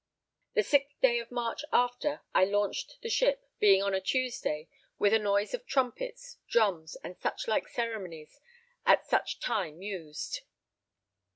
The 6th day of March after, I launched the ship, being upon a Tuesday, with a noise of trumpets, drums, and such like ceremonies at such time used.